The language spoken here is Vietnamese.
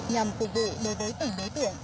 nhằm phục vụ đối với tỉnh đối tuyển